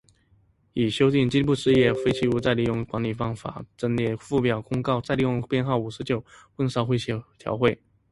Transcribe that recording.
拟修订经济部事业废弃物再利用管理办法增列附表公告再利用编号五十九混烧灰协调会。